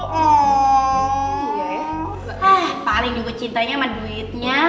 hah paling gue cintanya sama duitnya